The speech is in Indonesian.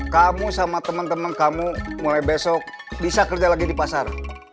kamu sama teman teman kamu mulai besok bisa kerja lagi di pasar